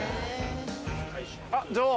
あっ女王。